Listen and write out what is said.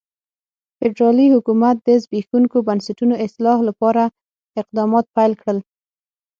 فدرالي حکومت د زبېښونکو بنسټونو اصلاح لپاره اقدامات پیل کړل.